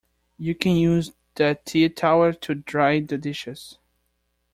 You can use that tea towel to dry the dishes